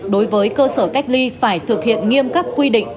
đối với cơ sở cách ly phải thực hiện nghiêm các quy định